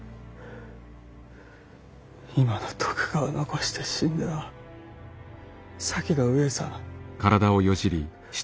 今の徳川を残して死んでは先の上様